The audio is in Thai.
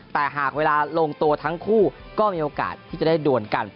แต่หากเวลาลงตัวทั้งคู่ก็มีโอกาสที่จะได้ด่วนกัน